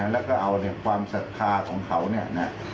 แล้วก็เอาความศรัทธาของเขาเนี่ยนะ